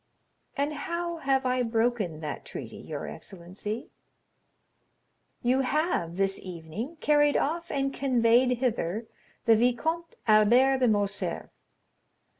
"And how have I broken that treaty, your excellency?" "You have this evening carried off and conveyed hither the Viscount Albert de Morcerf.